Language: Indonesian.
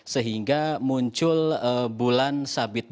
sehingga menurut saya ini adalah hal yang tidak terjadi di situ